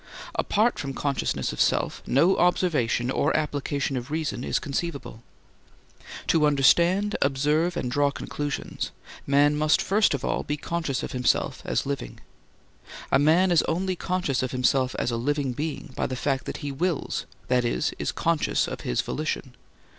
Apart from consciousness of self no observation or application of reason is conceivable. To understand, observe, and draw conclusions, man must first of all be conscious of himself as living. A man is only conscious of himself as a living being by the fact that he wills, that is, is conscious of his volition.